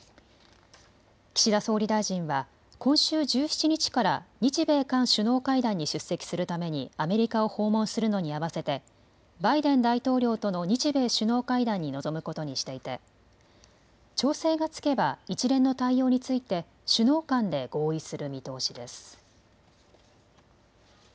岸田総理大臣は今週１７日から日米韓首脳会談に出席するためにアメリカを訪問するのに合わせてバイデン大統領との日米首脳会談に臨むことにしていて調整がつけば一連の対応について首脳間で合意する見通しです。